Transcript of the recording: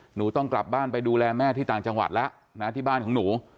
หนูต้องกลับบ้านไปดูแลแม่ที่ต่างจังหวัดแล้วนะที่บ้านของหนู